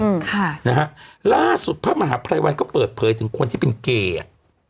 น่าฮะล่าสุดพระมหาไพรวันก็เปิดเผยถึงคนที่เป็นเกย์